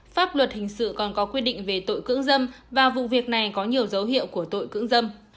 pháp luật hình sự còn có quy định về tội cưỡng dâm và vụ việc này có nhiều dấu hiệu của tội cưỡng dâm